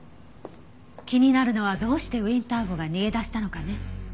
気になるのはどうしてウィンター号が逃げ出したのかね。